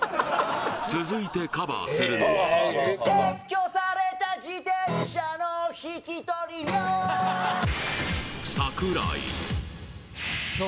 続いてカバーするのは撤去された自転車の引き取り料